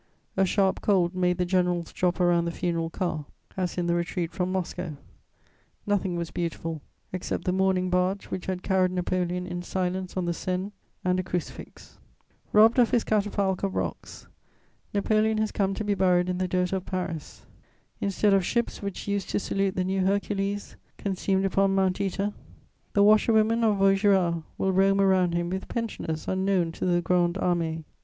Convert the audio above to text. A sharp cold made the generals drop around the funeral car, as in the retreat from Moscow. Nothing was beautiful, except the mourning barge which had carried Napoleon in silence on the Seine, and a crucifix. Robbed of his catafalque of rocks, Napoleon has come to be buried in the dirt of Paris. Instead of ships which used to salute the new Hercules, consumed upon Mount Œta, the washerwomen of Vaugirard will roam around him with pensioners unknown to the Grande Armée.